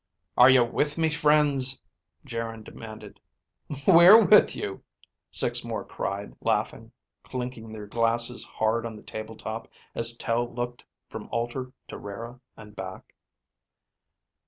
"Are you with me, friends?" Geryn demanded. "We're with you," six more cried, laughing, clinking their glasses hard on the table top as Tel looked from Alter to Rara and back.